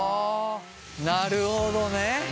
なるほどね。